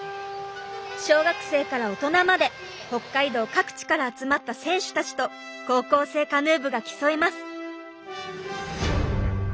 小学生から大人まで北海道各地から集まった選手たちと高校生カヌー部が競います。